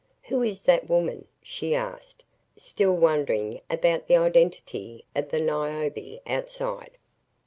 "Who is that woman?" she asked, still wondering about the identity of the Niobe outside.